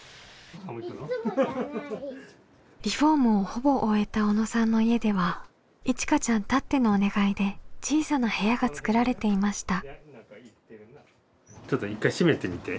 リフォームをほぼ終えた小野さんの家ではいちかちゃんたってのお願いで小さな部屋が作られていました。